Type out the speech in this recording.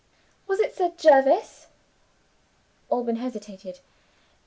"Was it Sir Jervis?" Alban hesitated.